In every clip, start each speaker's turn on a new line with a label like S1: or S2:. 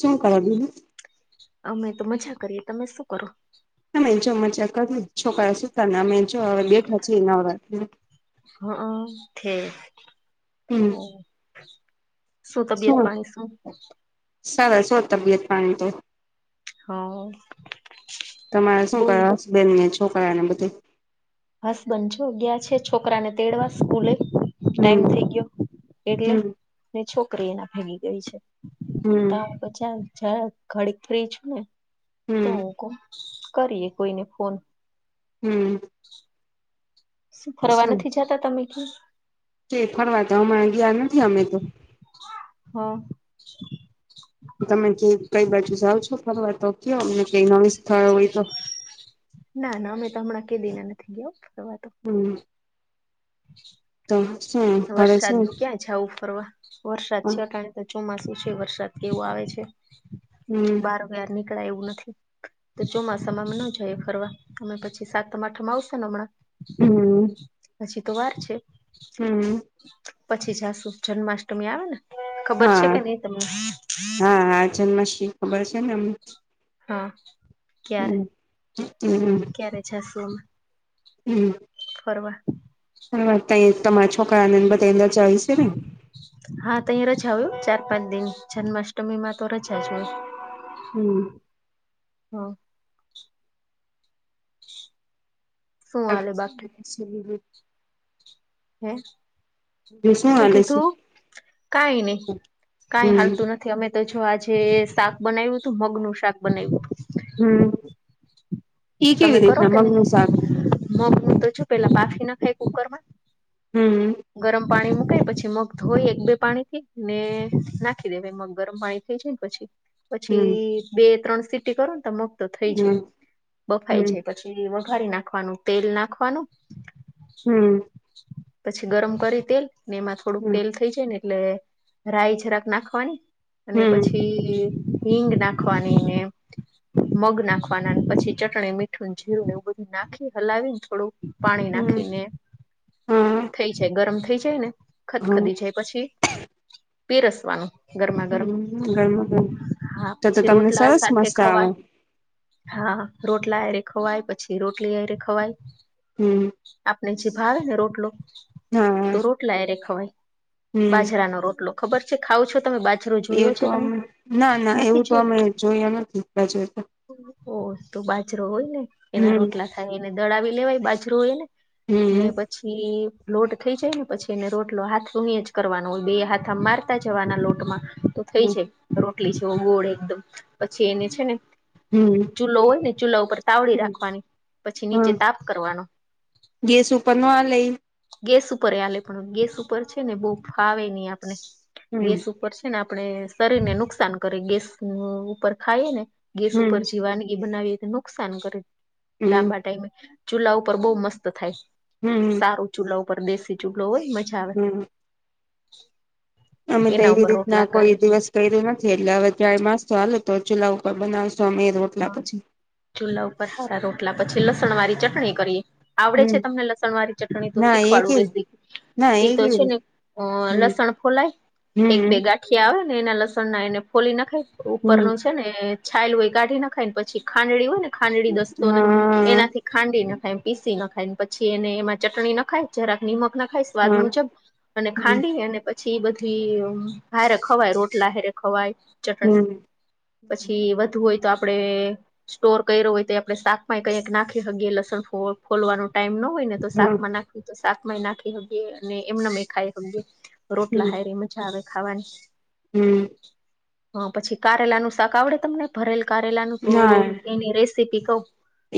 S1: શું કરે બીજુ
S2: અમે તો મજા કરીએ તમે શું કરો
S1: અમે જો મજા કરીએ છોકરા સુતાના અમે જો હવે બેઠા છે નવરા
S2: હઅ ઠેક
S1: હમ
S2: શું તબિયત પાણી શું
S1: સરસ હો તબિયત પાણી તો
S2: હા.
S1: તમારે શું કર હસબેન્ડ ને છોકરા ને બધાય
S2: હસબન્ડ જો ગયા છે છોકરા ને તેડવા સ્કૂલે ટાઈમ
S1: હમ
S2: થઈ ગયો એટલે
S1: હમ
S2: છોકરી એના ભેગી ગઈ છે
S1: હમ
S2: તો પછી આમ જરાક ઘડીક ફ્રી છું તો
S1: હમ
S2: હુકો કરીએ કોઈને ફોન
S1: હમ્મ.
S2: શું ફરવા નથી જતા તમે ક્યા
S1: કે ફરવા તો હમણા ગયા નથી અમે તો
S2: હ
S1: તમે જે કઈ બાજુ જાઓ છો ફરવા તો કયો એમને કઈ નવી સ્થળ હોય તો
S2: ના ના અમે તો હમણાં કેદીના નથી ગયા ફરવા તો
S1: હમ્મ.
S2: [inaudible]
S1: તો હસે
S2: વરસાદનુ ક્યાં જાવુ ફરવા વરસાદ છે અટાણે ચોમાસું છે વરસાદ કેવો આવે છે
S1: હમ
S2: બાર વ્યાર નીકળાય એવું નથી. તો ચોમાસામા અમે ન જઈયે ફરવા અ પછી સાતમ આઠમાં આવશે ને હમણાં
S1: હમ
S2: હજી તો વાર છે.
S1: હમ્મ.
S2: પછી જાશું જન્માષ્ટમી આવે ને ખબર છે કે નહી તમને
S1: જન્માષ્ટ્રી ખબર છે ને એમને
S2: હા ક્યારે ક્યારે જાસુ અમે
S1: હમ્મ.
S2: ફરવા
S1: ફરવા ત્યારે તમારા છોકરાને બધાય ને રજા હોય સે ને
S2: હા, તયે રજા હોય હો! ચાર પાંચ દિની જન્માષ્ટમીમાં તો રજા જ હોય.
S1: હમ,
S2: હ [inaudible] શું હાલે બાકી
S1: શ [inaudible]
S2: હમ શું
S1: હાલે છે
S2: કીધું? કાય નય કાય
S1: હમ
S2: હાલતું નથી. અમે તોજો આજે શાક બનાયવુ હતું. મગનુ શાક બનાયવુ હતુ.
S1: હમ, ઈ
S2: તમે
S1: કેવી
S2: કરો
S1: રીતના
S2: કે
S1: મગનું
S2: નહી
S1: શાક?
S2: મગનું તો જો પેલા બાફી નખાય કુકર માં.
S1: હમ,
S2: ગરમ પાણી મુકાય પછી, મગ ધોઈ એક બે પાણી થી ને નાખી દેવાય મગ ગરમ પાણી થઈ જાય ને પછી,
S1: હમ
S2: પછી બે ત્રણ સીટી કરો ને તો મગ તો થઈ
S1: હમ
S2: જાય. બફાઈ
S1: હમ
S2: જાય પછી વઘારી નાખવાનું તેલ નાખવાનું. પછી ગરમ કરી તેલ ને એમાં થોડુંક
S1: હમ હમ
S2: તેલ, થઈ જાય ને એટલે રાય જરાક નાખવાની અને
S1: હમ
S2: પછી, હીંગ નાખવાની ને મગ નાખવાનાન પછી, ચટણી, મીઠું, જીરું એવું બધું નાખી હલાવીને થોડું પાણી
S1: હમ
S2: નાખીને
S1: હા
S2: થઈ જાય ગરમ થઈ જાય ને
S1: હા
S2: ખદખદી જાય પછી પીરસવાનું. ગરમા ગરમ
S1: હમ ગરમા ગરમ
S2: હા
S1: તો તો
S2: પછી
S1: તમને
S2: રોટલા
S1: સરસ
S2: સાથે
S1: મસ્ત આવે
S2: ખવાય. હા, રોટલા હારે ખવાય પછી રોટલી હારે ખવાય.
S1: હમ,
S2: આપણે જે ભાવે ને રોટલો,
S1: હા
S2: તો રોટલા હારે ખવાય.
S1: હમ
S2: બાજરાનો રોટલો ખબર છે? ખાવ છો તમે બાજ
S1: એવું તોમ ના ના એવું તો અમે જોયા નથી. બાજરાનો
S2: ઓ તો બાજરો હોય ને એના
S1: હમ
S2: રોટલા થાય એને દડાવી લેવાય બાજરો હોય એને, ને
S1: હમ
S2: પછી, લોટ થઇ જાય ને પછી એને રોટલો હાથ થી જ કરવાનો હોય. બે હાથ આ મારતા જવાના લોટમાં તો થઈ
S1: હમ
S2: જાય રોટલી જેવો ગોળ એકદમ પછી એને છે ને
S1: હમ,
S2: ચૂલો હોય ને ચુલા ઉપર તાવડી રાખવાની પછી
S1: હા
S2: નીચે તાપ કરવાનો.
S1: ગેસ ઉપર નો હાલે ઇ?
S2: ગેસ ઉપરય હાલે પણ ગેસ ઉપર છે ને બહુ ફાવે નહી આપણે
S1: હમ
S2: ગેસ ઉપર ને આપણે શરીર ને નુકસાન કરે ગેસ ઉપર ખાઈ ને. ગેસ
S1: હમ
S2: ઉપર જે વાનગી બનાવીએ તો નુકસાન કરે
S1: હમ
S2: લાંબા ટાઈમે. ચૂલા ઉપર બહુ મસ્ત થાય.
S1: હમ
S2: સારું ચૂલા ઉપર દેશી ચૂલો હોય ને મજા આવે.
S1: હમ અમે તો
S2: એના
S1: એવી
S2: ઉપર
S1: રીતના
S2: રોટલા
S1: કોઈ
S2: કરી
S1: દિવસ. કયરુ નથી એટલે હવે ટ્રાય મારશું હાલો તો ચૂલા ઉપર બનાવશુ અમે રોટલા
S2: હા,
S1: પછી
S2: ચૂલા ઉપર સારા રોટલા પછી લસણ વાળી ચટણી કરીએ. આવડે
S1: હમ
S2: છે તમને લસણ વાળી ચટણી? તો
S1: ના એ
S2: શીખવાડું
S1: કેવી
S2: રેસીપી.
S1: ના
S2: એ તો
S1: કેવી
S2: છે ને
S1: રીતે
S2: અ
S1: હમ
S2: લસણ ફોલાય એક બે
S1: હમ
S2: ગા ગાંઠીયા આવે ને એના લસણ ના એને ફોલી નાખાય ઉપરનું
S1: હમ
S2: છે ને છાલ હોય એ કાઢી ન ખાય ને પછી ખાંડડી હોય ને ખાંડડી દસ્તો ને
S1: હા
S2: એનાથી ખાંડી નાખાય પીસી નાખાયને પછી એને એમાં ચટણી નાખાય જરાક નિમક નખાય સ્વાદ
S1: હા
S2: મુજબ અને
S1: હમ
S2: ખાંડી અને પછી ઈ બધી હારે ખવાય રોટલા હારે ખવાય, ચટણી
S1: હમ
S2: પછી વધુ હોય તો આપડે, સ્ટોર કર્યો હોય તો આપડણે શાકમાં કયક નાખી હકીયે લસણ ફોલવાનો ટાઈમ ન હોય ને, તો
S1: હા
S2: શાકમાં નાખવી તો શાકમાં ય નાખી હકીએ અને એમનામે ય ખાય હકીયે રોટલા
S1: હમ
S2: હારે એમ મજા આવે ખાવાની,
S1: હમ,
S2: હ પછી કારેલાનું શાક આવડે તમને ભરેલ, કારેલાનું ન તો
S1: ના
S2: એની રેસીપી કઉ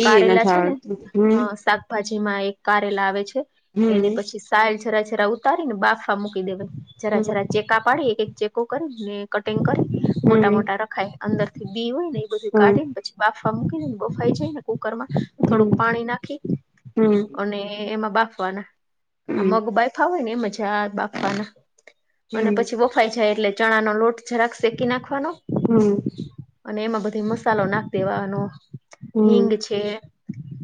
S1: એ
S2: કારેલા
S1: નથી
S2: છે ને હ
S1: આવડતું
S2: શાક-, શાક ભાજીમાં એક કારેલા આવે છે
S1: હમ
S2: એને પછી, સાલ જરા જરા ઉતારી ને બાફા મૂકી દેવા જરા
S1: હમ
S2: જરા ચેકા પાડી એક એક ચેક, કરીને કટિંગ કરી મોટા
S1: હમ
S2: મોટા રખાય અંદરથી બી હોય ને એ બધું
S1: હમ
S2: કાઢીને પછી, બાફવા મૂકીને બફાઈ જાયને, કુકરમાં
S1: હમ
S2: થોડુંક પાણી નાખી
S1: હમ હમ
S2: અને એમાં બાફવાના આ
S1: હમ
S2: મગ બાયફા હોય ને એમજ આ બાફવાના અને પછી, બફાય જાય એટલે ચણા નો લોટ જરાક શેકી નાખવાનો,
S1: હમ,
S2: અને એમાં બધી મસાલો નાખ દેવાનો
S1: હમ
S2: હિંગ છે.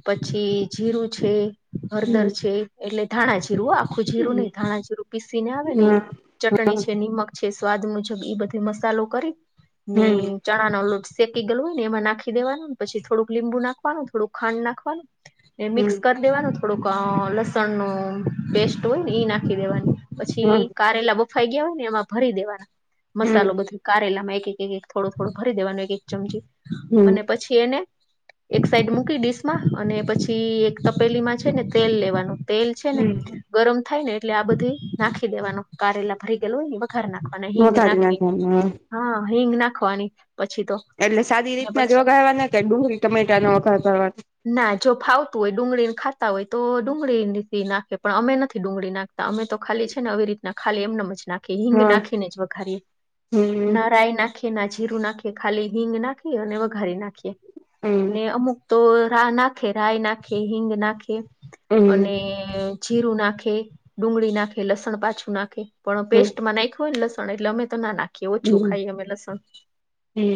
S2: પછી જીરું છે,
S1: હમ
S2: હળદર છે, એટલે ધાણા જીરું આપ. આખું જીરું નહિ
S1: વઘારી
S2: ધાણા જીરું પીસી ને આવે ન ચટણી છે નિમક છે સ્વાદ મુજબ એ બધે મસાલો કરી ને ચણા નો લોટ શેકી ગયેલુને એમાં નાખી દેવાનું પછી થોડું લીંબુ નાખવાનું થોડું ખાંડ નાખવાનું ને મિક્સ કર દેવાનું થોડુંક લસણ નું પેસ્ટ હોય ને ઈ નાખી દેવાની પછી કારેલા બફાઈ ગયા હોય ને એમાં ભરી દેવાના મસાલો બધું કારેલામાં એક એક એક થોડું થોડું ભરી દેવાનું એક એક ચમચી અને પછી એને એક સાઈડ મૂકી ડીશ માં અને પછી એક તપેલીમાં છે ને તેલ લેવાનું તેલ છે ને ગરમ થાય ને એટલે આ બધી નાખી દેવાનું કારેલા ભરી ગયેલું વખારી નાખવાના હિંગ નાખીને
S1: નાખવાના
S2: હા હિંગ નાખવાની પછી તો
S1: એટલે સારી
S2: ને
S1: રીતના જ
S2: પછી
S1: વગાવાના કે ડુંગળી ટમેટા નો વગાર કરવાનો
S2: ના જો ફાવતું હોય ડુંગળીને ખાતા હોય તો ડુંગળી નાખે પણ અમે નથી ડુંગળી નાખતા. અમે તો ખાલી છે ને આવી રીત ખાલીમનેમ જ નાખી હિંગ
S1: હા
S2: નાખીને જ વઘારીએ
S1: હમ
S2: ના રાય નાખીએ ના જીરું નાખીએ ખાલી હિંગ નાખીએ અને વઘારી નાખીએ
S1: હમ
S2: ને અમુક તો રા નાખી ખેરાય નાખે હિંગ નાખે
S1: હમ
S2: અને જીરું નાખે ડુંગળી નાખે લસણ પાછું નાખે પણ પેસ્ટમાં નાખ્યું હોય ને લસણ એટલે અમે તો ના નાખીએ ઓછું ખાઈ અમે લસણ
S1: હા.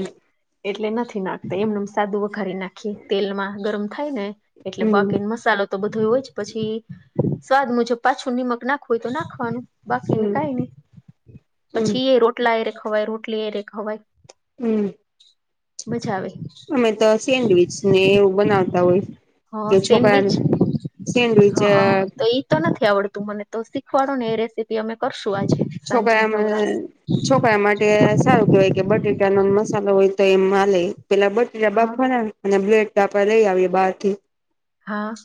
S2: એટલે નથી નાખતા એમનુંમ સાદુ વખારી નાખ તેલ માં ગરમ થાય ને એટલે
S1: હમ હમ
S2: બાકી મસાલો તો બધો હોય જ પછી સ્વાદ મુજબ પાછું નિમક નાખવું હોય તો નાખવાનું બાકીને
S1: હમ
S2: કઈ નઈ
S1: હમ
S2: પછી એ રોટલા એર ખવાય રોટલી એરે ખવાય.
S1: હમ.
S2: મઝાઆવે,
S1: અમે તો સેન્ડવીચ ને એવું બનાવતા હોય કે
S2: હ
S1: છોકરાને
S2: સેન્ડવીચ હ
S1: સેન્ડવીચ
S2: તો ઈ તો નથી આવડતું મને તો શીખવાડો ને એ રેસીપી અમે કરશું આજે
S1: [unintelligible]
S2: સાંજે
S1: છોકરા ને
S2: નવરાશ
S1: આપણા માટે આ સારું કેવાય કે બટેટાનો મસાલો હોય તો મલે પેલા બટયા
S2: હા
S1: બાફવાના અને બ્લેટ આપણે લઈ આવીએ બહારથી
S2: હા.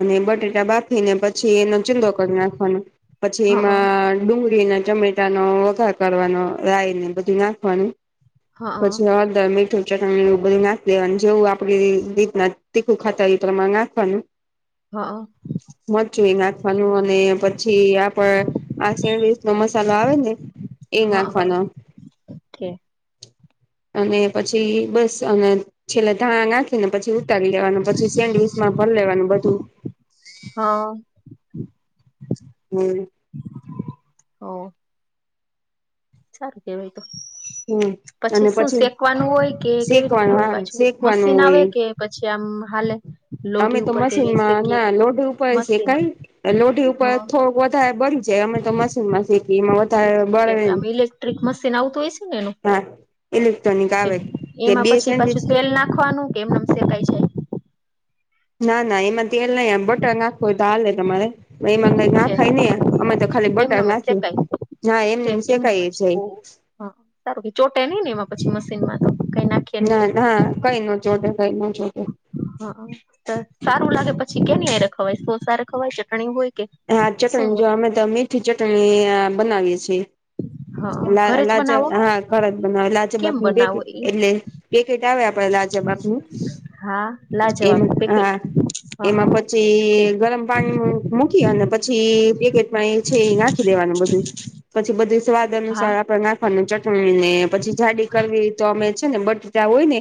S1: અને બટેટા બાફ ને પછી એનો ચીંદો કરી નાખવાનો પછી
S2: હ
S1: એમાં ડુંગળીના ચમે નો વઘાર કરવાનો રાય ને બધું નાખવાનું
S2: હા
S1: પછી હળદર મીઠું ચટણીઓ એવ બધું નાખ દેવા જેવું આપણે રીતના તીખું ખાતા હોઈયે એ પ્રમાણે નાખવાનું
S2: હા.
S1: મર્ચુ એ નાખવાનું અને પછી આપડ આ સેન્ડવીચ નો મસાલો આવે ને એ નાખવાનો
S2: ઓકે.
S1: અને પછી બસ અને છેલ્લે ધાણા નાખીને પછી ઉતારી લેવાનું પછી સેન્ડવીચમાં ભરી લેવાનું બધું
S2: હા.
S1: હમ્મ.
S2: હ ઓ સારું કેવાય તો
S1: હમ
S2: પછી
S1: અને
S2: શું શેકવાનું હોય કે કેવી રીતના
S1: શેકવાનું
S2: હોય
S1: હા
S2: પાછું
S1: શેકવાનું
S2: મશીન આવે
S1: હોય
S2: કે પછી આમ હાલે
S1: અમે
S2: લોઢી
S1: તો
S2: ઉપર કે કઈ
S1: મશીનમાં
S2: શેકીએ
S1: ના
S2: તો
S1: લોઢી ઉપર
S2: મશીન
S1: શેકાય લોઢી ઉપર
S2: હા
S1: થો વધારે બળ જે અમે તો વોશિન મશીનમાં એમાં વધારે
S2: ઠીક
S1: બળે
S2: આમ
S1: નઈ.
S2: ઇલેક્ટ્રિક મશીન આવતું હોયશ એ પાછું
S1: હા ઇલેક્ટ્રોનિક આવે કે
S2: એમાં
S1: બે
S2: પછી
S1: સેન્ડવીચ
S2: પછી ને તેલ નાખવાનું એમનું કંઈક છે.
S1: ના ના એમાં તેલ નહી બટા નાખ હોય તો હાલે તમારે એમાં નહિ ના
S2: ઠીક
S1: ખાય ને અમે તો ખાલી બટર
S2: એમનેમ જ
S1: નાખી
S2: શેકાય
S1: ના એમ નેમ શેકાય જાય
S2: હ સારું ચોટે નઈ ને એમાં પછી મશીન માં તો કઈ નાખ
S1: ના ના કઈ નો જોટેે કઈ ન જોડે
S2: હ સારું લાગે પછી કેની હારે ખવાય સોસ હારે ખવાય ચટણી હોય કે
S1: હા ચટણી
S2: શું?
S1: જો અમે તો મીઠી ચટણી બનાવીએ છીએ.
S2: હા
S1: લા
S2: ઘરે જ
S1: લાજ
S2: બનાવો
S1: હા ખજ બનાવે લાજ બાપ
S2: કેમ
S1: બે
S2: બનાવો એ
S1: એટલે પેકેટ આવે આપડે લાજબાપનું
S2: હા લાજવાબ
S1: એમાં
S2: પેકેટ
S1: હા
S2: હા
S1: એમાં પછી
S2: ઠીક.
S1: તે ગરમ પાણી નું અને પછી પેકેટમાં એ છે એ નાખી દેવાનું બધું પછી બધું સ્વાદ
S2: હા
S1: અનુસાર આપણ નાખવું ની ચટણી ને પછી જાડી કરવી તો અમે છે ને બટટા હોય ને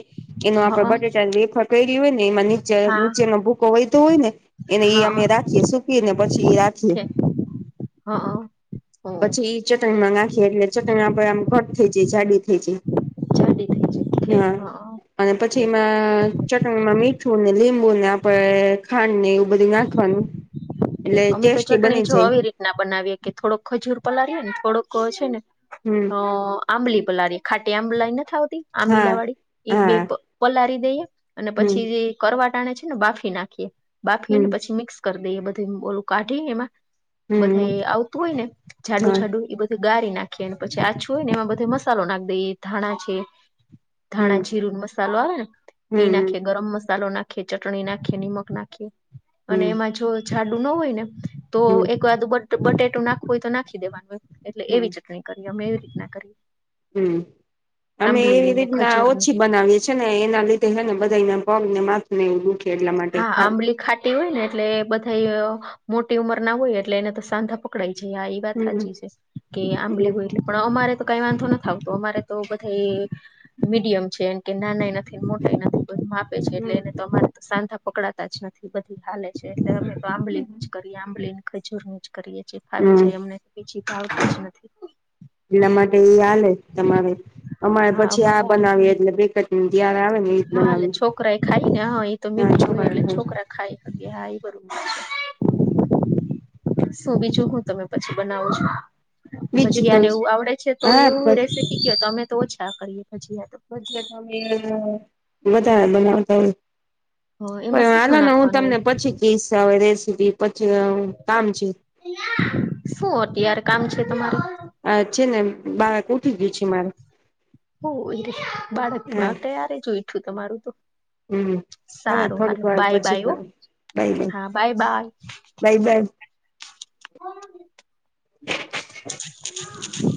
S1: એમાં
S2: હા
S1: બટેટા વેફર કેરી હોય ને એમાં નીચે
S2: હા
S1: નીચેનો ભૂકો વયતોહોય ને એને ઈ
S2: હા
S1: અમે રાખીએ શું કીને પછી એ રાખીએ
S2: ઠીક. હા હા
S1: પછી થી ચટણીમાં નાખીએ એટલે ચટણીમાં આપડે આમ ઘટ થઈ જાય જાડી જી
S2: જાડી થઈ
S1: જ
S2: છે
S1: હા. અને પછી
S2: ઠીક
S1: એમાં ચટણીમાં મીઠું ને લીબુ ફુલને આપડે ખાંડ ને એવું બધું નાખવાનું એટલે
S2: હવે તો
S1: ટેસ્ટી બની
S2: ચટણી
S1: જાય
S2: આવી રીતે ના બનાવીએ કે થોડોક ખજૂર પાળીએ ને થોડોક ને
S1: હમ્મ
S2: હ આંબલી પલાડી ખાટી આંબલા નથી આંબીલા વાળી એ બે પલારી દઈએ અને પછી જે કરવાટાને છે ને બાફી નાખીએ બાફીને પછી મિક્સ કરી દઈએ બધી ઓલું કાઢી એમાં બધે આવતું હોય ને જાડુ જાડુ એ બધું ગારી નાખીએને પછી આ છુંય ને એમાં બધે મસાલો નાખીએ ધાણા છે ધાણા જીરું મસાલો આવે ને એઈ નાખે ગરમ મસાલો નાખે કે ચટણી નાખી નિમક નાખીએ અને એમાં જો જાડું ના હોય ને તો એકાદું બટેટું નાખવું હોય તો નાખી દેવાનું એટલે એવી ચટણી કરીએ અમે એવી રીતના કરીએ
S1: હમ્મ અમે એવી
S2: આંબલીની ને
S1: રીતના
S2: ખજૂરની
S1: ઓછી બનાવીએ છે ને એના લીધે છે ને બધા એ પગ ને માથ ને એવું દુઃખે
S2: હા આંબલી ખાટી હોય ને એટલે બધાય મોટી ઉંમર ના હોય એટલે એને તો સાંધા પકડાય છે આ એ વાત
S1: હમ
S2: સાચી છે કે આંબલી હો
S1: હમ
S2: એ પણ અમારે તો કઈ વાંધો નથ આવતો અમારે તો બધા મીડિયમ છે એમ કે નાનાએ નથી મોટાએ નથી તો માપે છે એટલે એને સાંધા પકડાતા જ નથી બધી હાલે છે એટલે અમે તો આંબલી ની જ કરીએ આંબલી ને ખજૂર ની જ કરીએ છીએ. ફાવી
S1: હમ
S2: જાય અમને બીજી તો ફાવતી જ નથી.
S1: એટલા માટે એ હાલે તમારે અમારે
S2: હા
S1: પછી
S2: અમારે
S1: આ
S2: હાલે
S1: બનાવી એટલે જયારે આવે ને એજ
S2: હા એટલે
S1: બનાવીએ
S2: છોકરા એ ખાય ને હા એ તો
S1: ના
S2: મીઠું હોય
S1: છોકરા
S2: એટલે
S1: ખાય
S2: છોકરા ખાય હા એ બધું [unintelligible] શું બીજું હું તમે પછી બનાવો છો
S1: બીજું તો
S2: ભજીયાને એવું આવડે છે. તો
S1: હા
S2: એવું
S1: ભ
S2: રેસીપી કયો તો અમે તો ઓછા કરીએ ભજીયા તો.
S1: [unintelligible] વધારે બનાવતા હોય.
S2: હ એમાં
S1: પણ
S2: શું શું
S1: હાલોને હું
S2: નાખવાનું
S1: તમને
S2: હોય
S1: પછી કેશ અવે રેસીપી પછી કામ છે.
S2: શું અત્યાર કામ છે તમારું
S1: આ છે ને બાળક ઉઠી ગયું છે મારે
S2: ઓ બાળક પણ
S1: હા
S2: અત્યારે જ ઊયઠું તમારું
S1: હમ.
S2: સારું
S1: થોડીક
S2: હાલો
S1: વાર
S2: બાય
S1: પછી
S2: બાય હ
S1: કરું બાય
S2: હા, બાય બાય.
S1: Bye by.
S2: [inaudible]